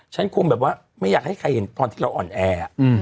ฉันคงแบบว่าไม่อยากให้ใครเห็นตอนที่เราอ่อนแอ